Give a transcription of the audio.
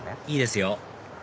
いいですよ